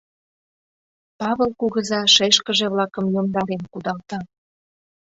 ...Павыл кугыза шешкыже-влакым йомдарен кудалта.